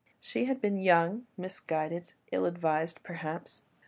She had been young, misguided, ill advised perhaps.